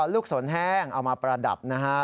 สนแห้งเอามาประดับนะฮะ